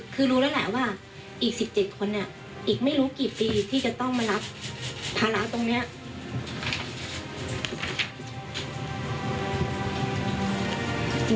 คือรู้แล้วแหละว่าอีก๑๗คนเนี่ยอีกไม่รู้กี่ปีที่จะต้องมารับภาระตรงนี้